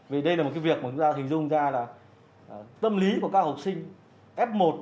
vì đây là một cái việc mà chúng ta hình dung ra là tâm lý của các học sinh f một